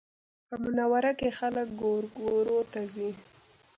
په منوره کې خلک ګورګورو ته ځي